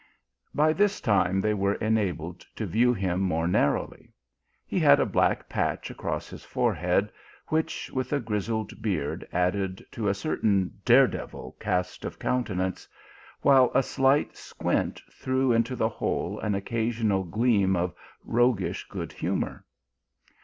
By this time they were enabled to view him more narrowly. He had a black patch across his fore head, which, with a grizzled beard, added to a cer tain dare devil cast of countenance, while a slight squint threw into the whole an occasional gleam of roguish good humour.